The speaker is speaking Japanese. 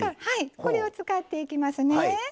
これを使っていきますね。